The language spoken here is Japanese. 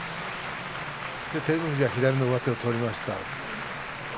照ノ富士は左の上手を取りました。